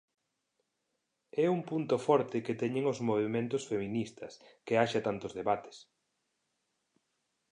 É un punto forte que teñen os movementos feministas, que haxa tantos debates.